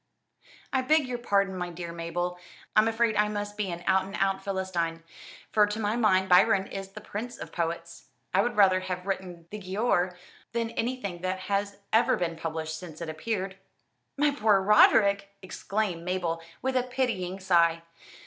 "I beg your pardon, my dear Mabel. I'm afraid I must be an out and out Philistine, for to my mind Byron is the prince of poets. I would rather have written 'The Giaour' than anything that has ever been published since it appeared." "My poor Roderick!" exclaimed Mabel, with a pitying sigh.